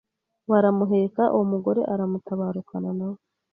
Baramuheka uwo mugore aramutabarukana nawe